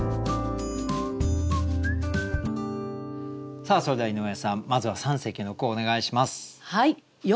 さあそれでは井上さんまずは三席の句をお願いします。